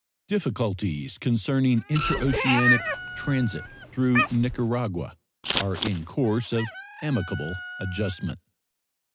Difficulties concerning interoceanic transit through Nicaragua are in course of amicable adjustment.